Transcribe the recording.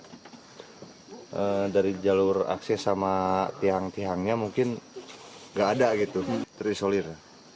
kalau dari jalur akses sama tiang tiangnya mungkin nggak ada gitu terisolir